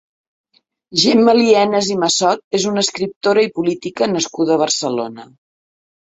Gemma Lienas i Massot és una escriptora i politica nascuda a Barcelona.